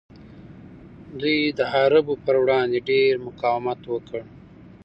دوی د عربو پر وړاندې ډیر مقاومت وکړ